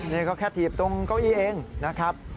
นี่ก็แค่ถีบตรงเก้าอี้เองนะครับ